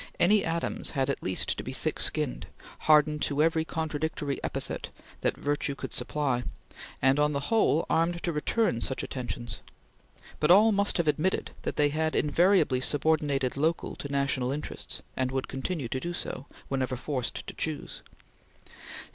Any Adams had at least to be thick skinned, hardened to every contradictory epithet that virtue could supply, and, on the whole, armed to return such attentions; but all must have admitted that they had invariably subordinated local to national interests, and would continue to do so, whenever forced to choose.